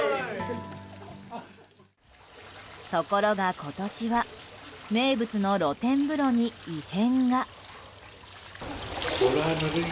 ところが今年は名物の露天風呂に異変が。